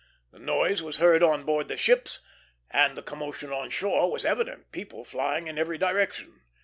The noise was heard on board the ships, and the commotion on shore was evident, people fleeing in every direction.